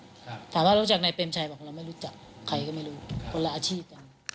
ถามว่ารู้จักนายเปรมชัยบอกเราไม่รู้จักใครก็ไม่รู้คนละอาชีพกัน